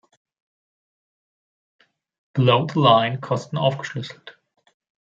Below-the-line-Kosten aufgeschlüsselt.